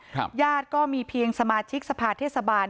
ญาติก็มีเพียงสมาชิกสภาเทศบาล